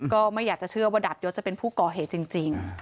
ก็ไม่อยากจะเชื่อว่าดาบยศจะเป็นผู้ก่อเหตุจริง